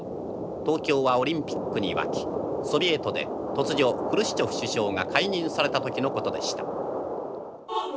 東京はオリンピックに沸きソビエトで突如フルシチョフ首相が解任された時のことでした」。